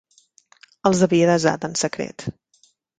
Els havia desat en secret.